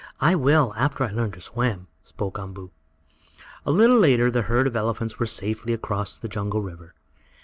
"I will, after I learn to swim," spoke Umboo. A little later the herd of elephants were safely across the jungle river.